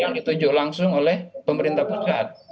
yang ditunjuk langsung oleh pemerintah pusat